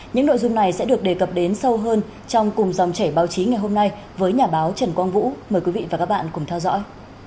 những nội dung này sẽ được đề cập đến sâu hơn trong cùng dòng chảy báo chí ngày hôm nay với nhà báo trần quang vũ mời quý vị và các bạn cùng theo dõi